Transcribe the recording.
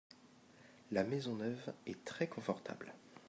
La maison neuve est très confortable.